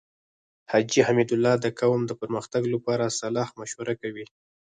حاجی حميدالله د قوم د پرمختګ لپاره صلاح مشوره کوي.